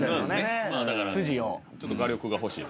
ちょっと。